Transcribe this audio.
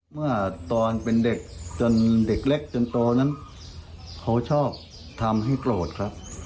เมื่อตอนเป็นเด็กจนเด็กเล็กจนโตนั้นเขาชอบทำให้โกรธครับ